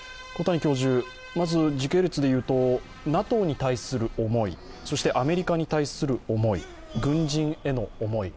まず時系列でいうと、ＮＡＴＯに対する思い、そしてアメリカに対する思い、軍人への思い。